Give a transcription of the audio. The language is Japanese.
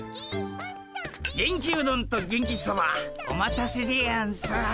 元気うどんと元気そばお待たせでやんす。